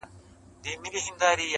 o تر ملاغې ئې لاستی دروند سو.